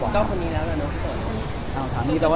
ก็คนนี้แล้วเนอะพี่โกะ